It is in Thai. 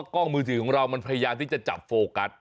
กล้องมือถือของเรามันพยายามที่จะจับโฟกัส